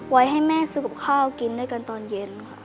ไว้ให้แม่ซื้อกับข้าวกินด้วยกันตอนเย็นค่ะ